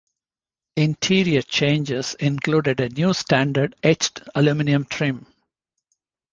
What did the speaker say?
Interior changes included a new standard etched aluminum trim.